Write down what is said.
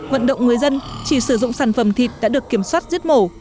vận động người dân chỉ sử dụng sản phẩm thịt đã được kiểm soát giết mổ